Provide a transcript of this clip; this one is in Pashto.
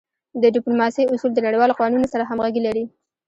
د ډیپلوماسی اصول د نړیوالو قوانینو سره همږغي لری.